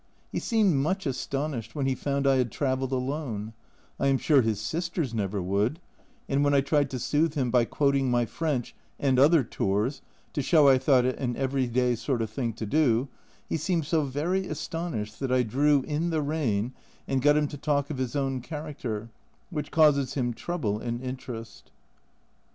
He seemed much astonished when he found I had travelled alone I am sure his sisters never would, and when I tried to soothe him by quoting my French and other tours (to show I thought k an everyday sort of thing to do), he seemed so very astonished that I drew in the rein and got him to talk of his own character, which causes him trouble and interest.